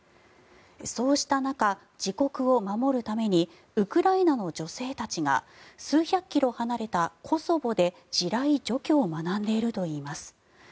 そうした中、自国を守るためにウクライナの女性たちが数百キロ離れたコソボで地雷の除去を学んでいるといいます。